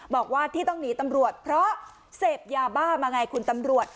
บอกว่าที่ต้องหนีตำรวจเพราะเสพยาบ้ามาไงคุณตำรวจ